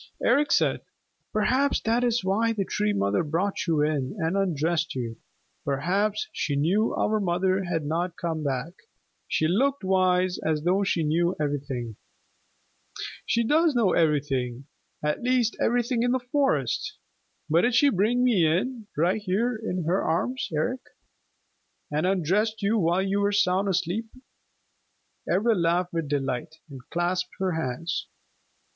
Eric said, "Perhaps that is why the Tree Mother brought you in and undressed you perhaps she knew our mother had not come back. She looked wise, as though she knew everything." "She does know everything, at least everything in the forest. But did she bring me in, right here in her arms, Eric!" "And undressed you while you were sound asleep." Ivra laughed with delight, and clasped her hands.